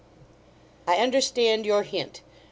I understand your hint.